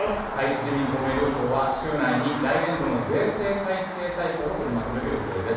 自民、公明両党は週内に来年度の税制改正大綱を取りまとめる予定です。